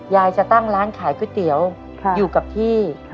ยายจะตั้งร้านขายก๋วยเตี๋ยวอยู่กับที่